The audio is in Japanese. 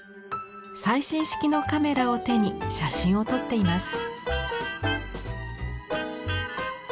最新式のカメラを手に写真を撮っています。